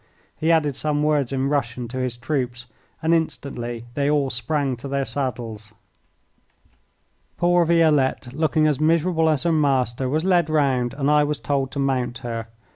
He added some words in Russian to his troops, and instantly they all sprang to their saddles. Poor Violette, looking as miserable as her master, was led round and I was told to mount her.